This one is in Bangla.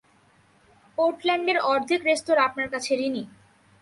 পোর্টল্যান্ডের অর্ধেক রেস্তোরাঁ আপনার কাছে ঋণী।